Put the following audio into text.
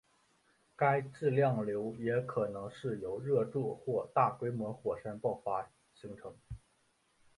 该质量瘤也可能是由热柱或大规模火山爆发形成。